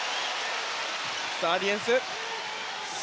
さあディフェンス！